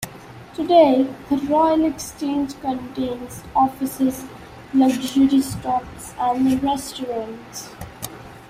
Today the Royal Exchange contains offices, luxury shops, and restaurants.